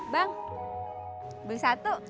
bang beli satu